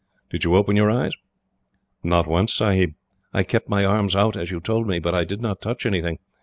Did you open your eyes?" "Not once, Sahib. I kept my arms out, as you told me, but I did not touch anything.